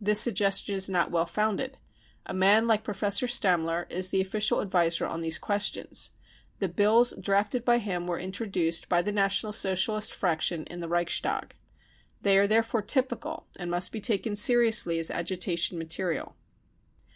This suggestion is not well founded. A man like Professor Stammler is the official adviser on these questions. The " Bills 55 drafted by him were introduced by the National Socialist fraction in the Reichstag. They are therefore typical, and must be taken seriously as agitation material.